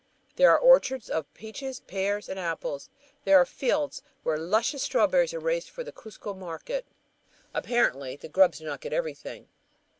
There are orchards of peaches, pears, and apples; there are fields where luscious strawberries are raised for the Cuzco market. Apparently, the grubs do not get everything.